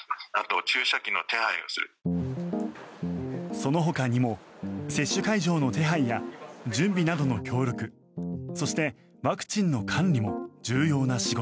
そのほかにも接種会場の手配や準備などの協力そして、ワクチンの管理も重要な仕事。